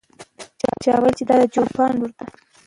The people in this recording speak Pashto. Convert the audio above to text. چا وویل چې دا د چوپان لور ده.